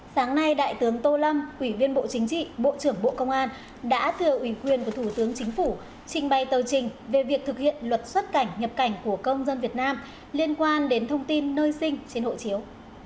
sáng nay đại tướng tô lâm ủy viên bộ chính trị bộ trưởng bộ công an đã thừa ủy quyền của thủ tướng chính phủ trình bày tờ trình về việc thực hiện luật xuất cảnh nhập cảnh của công dân việt nam liên quan đến thông tin nơi sinh trên hộ chiếu